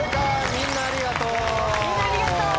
みんなありがとう。